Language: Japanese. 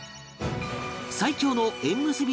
最強の縁結び